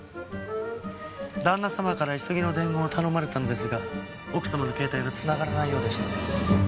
旦那様から急ぎの伝言を頼まれたのですが奥様の携帯が繋がらないようでしたので。